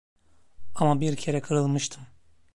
Ama bir kere kırılmıştım.